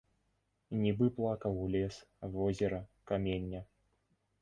Нібы плакаў лес, возера, каменне.